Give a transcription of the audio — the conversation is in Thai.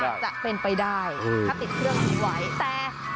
ก็อาจจะเป็นไปได้ถ้าติดเครื่องทิ้งไว้